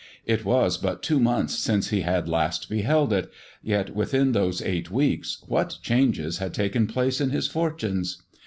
It was but two months since he had last beheld it ; yet within those eight weeks what changes had taken place in his fortunes!